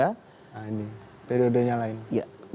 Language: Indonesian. nah ini periodenya lain